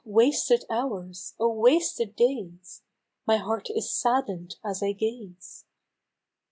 wasted hours ! oh, wasted days ! My heart is sadden'd as I gaze